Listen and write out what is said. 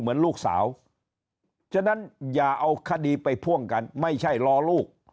เหมือนลูกสาวฉะนั้นอย่าเอาคดีไปพ่วงกันไม่ใช่รอลูก